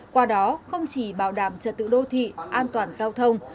qua đó không chỉ bảo đảm trật tự đô thị an toàn giao thông